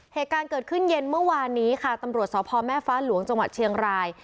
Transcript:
เหตุการณ์เกิดขึ้นเย็นเมื่อวานนี้ค่ะตำรวจสพแม่ฟ้าหลวงจังหวัดเชียงราย